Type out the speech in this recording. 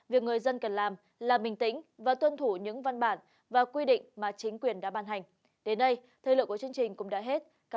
việc người dân cần làm là bình tĩnh và tuân thủ những văn bản và quy định mà chính quyền đã ban hành